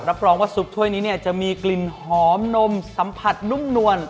รับรองว่าซุปถ้วยนี้เนี่ยจะมีกลิ่นหอมนมสัมผัสนุ่มนวล